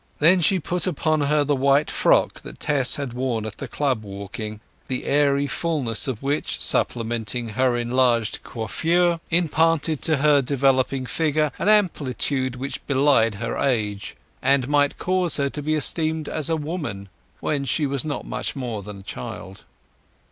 Then she put upon her the white frock that Tess had worn at the club walking, the airy fulness of which, supplementing her enlarged coiffure, imparted to her developing figure an amplitude which belied her age, and might cause her to be estimated as a woman when she was not much more than a child.